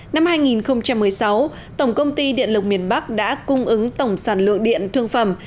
năm hai nghìn một mươi sáu tổng công ty điện lực miền bắc đã cung ứng tổng sản lượng điện thương phẩm